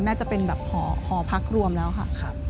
น่าจะเป็นแบบหอพักรวมแล้วค่ะ